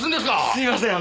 すいません